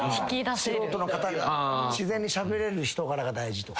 素人の方が自然にしゃべれる人柄が大事とか。